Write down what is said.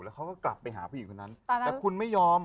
เขาก็กลับไปหาผู้หญิงคนนั้นแต่คุณไม่ยอม